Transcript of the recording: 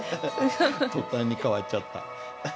途端に変わっちゃった。